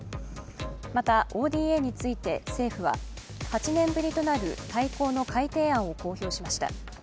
また、ＯＤＡについて政府は、８年ぶりとなる大綱の改定案を公表しました。